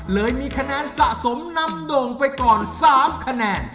เลยมีคะแนนสะสมนำโด่งไปก่อน๓คะแนน